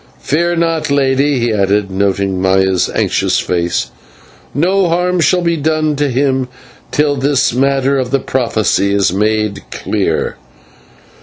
Fear not, lady," he added, noting Maya's anxious face, "no harm shall be done to him till this matter of the prophecy is made clear."